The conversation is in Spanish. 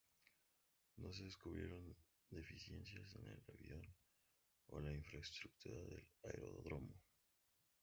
No se descubrieron deficiencias en el avión o la infraestructura del aeródromo.